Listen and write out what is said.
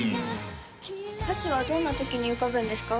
歌詞はどんな時に浮かぶんですか？